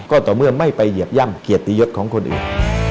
ก็ต่อเมื่อไม่ไปเหยียบย่ำเกียรติยศของคนอื่น